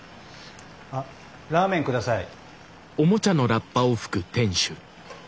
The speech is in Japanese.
あっラーメン下さい。